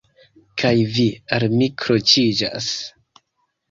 Kaj vi al mi kroĉiĝas.